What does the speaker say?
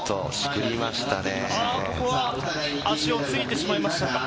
ここは足をついてしまいました。